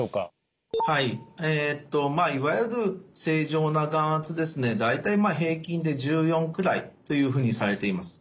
はいまあいわゆる正常な眼圧ですね大体平均で１４くらいというふうにされています。